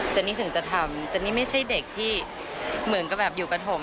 นี่ถึงจะทำเจนนี่ไม่ใช่เด็กที่เหมือนกับแบบอยู่กับผม